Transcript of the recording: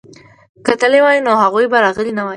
که تللي وای نو هغوی به راغلي نه وای.